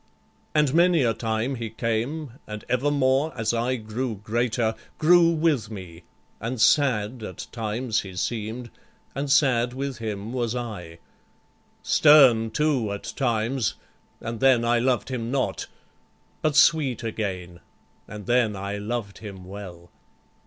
And many a time he came, and evermore As I grew greater grew with me; and sad At times he seem'd, and sad with him was I, Stern too at times, and then I loved him not, But sweet again, and then I loved him well.